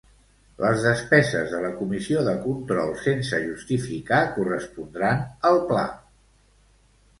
Les despeses de la Comissió de Control, sense justificar, correspondran al Pla.